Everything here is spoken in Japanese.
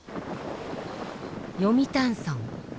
読谷村。